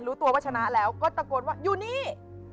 รู้ตัวว่าชนะแล้วก็ตะโกนว่าอยู่นี่